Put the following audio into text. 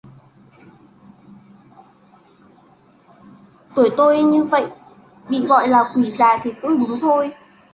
Tuổi tôi như vậy bị gọi là quỷ già thì cũng đúng thôi